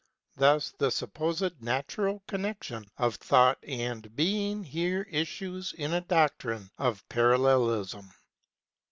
Thus the supposed natural connection of Thought and Being here issues in a doctrine of Parallelism.